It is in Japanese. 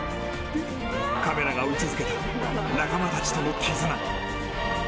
カメラが追い続けた仲間たちとの絆。